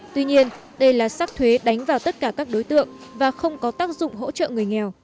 tuy nhiên đây là sắc thuế đánh vào tất cả các đối tượng và không có tác dụng hỗ trợ người nghèo